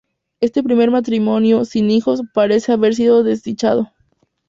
Este primer matrimonio, sin hijos, parece haber sido desdichado.